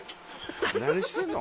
何してんの？